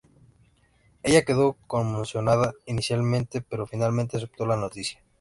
Ella quedó conmocionada inicialmente, pero finalmente aceptó la noticia.